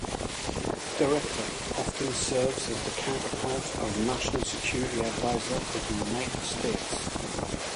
Director often serves as the counterpart of National Security Advisor of the United States.